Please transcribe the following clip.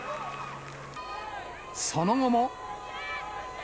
その後も。